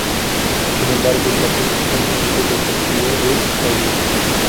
Sin embargo, el papel finalmente lo consiguió Ruth Taylor.